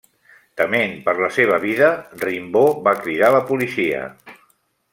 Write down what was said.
Tement per la seva vida, Rimbaud va cridar la policia.